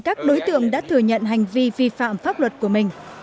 các đối tượng đã thừa nhận hành vi vi phạm pháp luật của mình